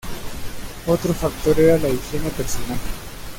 Otro factor era la higiene personal.